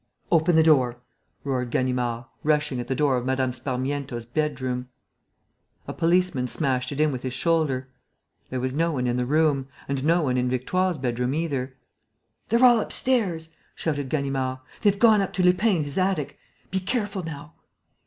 "Open the door!" roared Ganimard, rushing at the door of Mme. Sparmiento's bedroom. A policeman smashed it in with his shoulder. There was no one in the room; and no one in Victoire's bedroom either. "They're all upstairs!" shouted Ganimard. "They've gone up to Lupin in his attic. Be careful now!"